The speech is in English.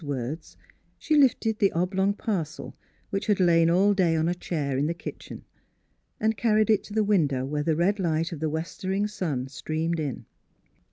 Then re membering the butter woman's words she lifted the oblong parcel which had lain all day on a chair in the kitchen and car ried it to the window where the red light of the westering sun streamed in.